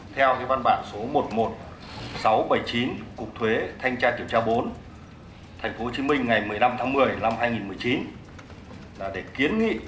theo văn bản số một mươi một nghìn sáu trăm bảy mươi chín cục thuế thanh tra tiểm tra bốn tp hcm ngày một mươi năm tháng một mươi năm hai nghìn một mươi chín